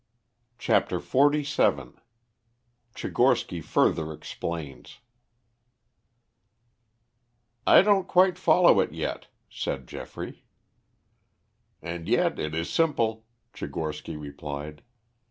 CHAPTER XLVII TCHIGORSKY FURTHER EXPLAINS "I don't quite follow it yet," said Geoffrey. "And yet it is simple," Tchigorsky replied.